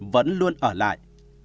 vẫn luôn ở lại